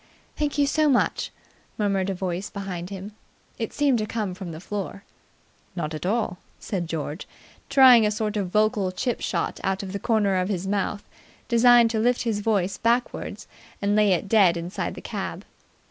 "Thank you so much," murmured a voice behind him. It seemed to come from the floor. "Not at all," said George, trying a sort of vocal chip shot out of the corner of his mouth, designed to lift his voice backwards and lay it dead inside the cab.